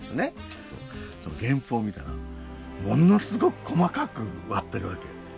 原譜を見たらものすごく細かく割ってるわけ。